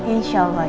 insya allah ya